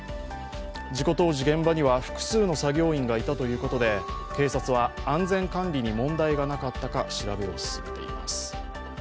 事故当時、現場には複数の作業員がいたということで安全管理に問題がなかったか調べを進めています。